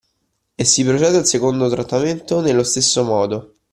E si procede al secondo trattamento nello stesso modo.